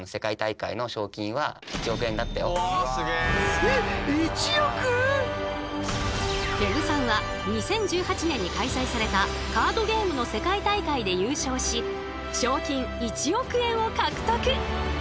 ふぇぐさんは２０１８年に開催されたカードゲームの世界大会で優勝し賞金１億円を獲得。